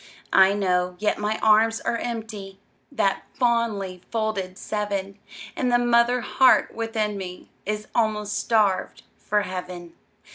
I know, yet my arms are empty, That fondly folded seven, And the mother heart within me Is almost starved for heaven.